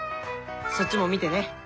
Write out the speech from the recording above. そっちも見てね。